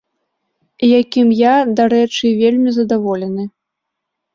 Якім я, дарэчы, вельмі задаволены.